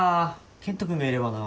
健人君がいればな。